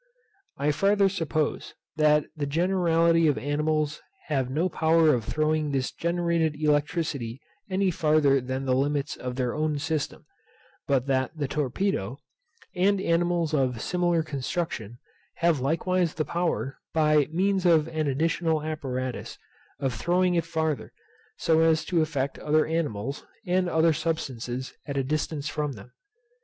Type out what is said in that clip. I farther suppose, that the generality of animals have no power of throwing this generated electricity any farther than the limits of their own system; but that the torpedo, and animals of a similar construction, have likewise the power, by means of an additional apparatus, of throwing it farther, so as to affect other animals, and other substances at a distance from them.